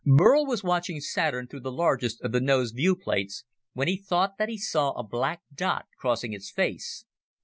Burl was watching Saturn through the largest of the nose viewplates when he thought that he saw a black dot crossing its face.